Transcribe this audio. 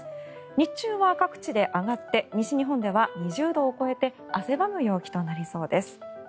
日中は各地で上がって西日本では２０度を超えて汗ばむ陽気となりそうです。